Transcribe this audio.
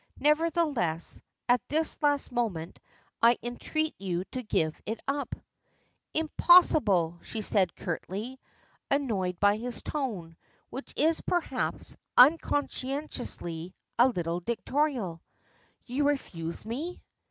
Nevertheless, at this last moment, I entreat you to give it up." "Impossible," says she curtly, annoyed by his tone, which is perhaps, unconsciously, a little dictatorial. "You refuse me?"